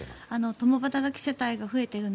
共働き世帯が増えている中